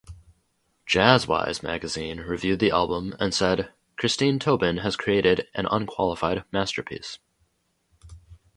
"Jazzwise" magazine reviewed the album and said "Christine Tobin has created an unqualified masterpiece.